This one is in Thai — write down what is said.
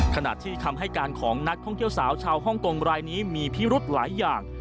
ขณะที่คำให้การของนักท่องเที่ยวสาวชาวฮ่องกงรายนี้มีพิรุธหลายอย่าง